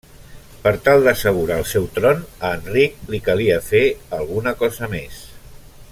Per tal d'assegurar el seu tron, a Enric li calia fer alguna cosa més.